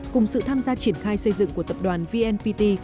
cùng sự tham gia triển khai xây dựng của tập đoàn vnpt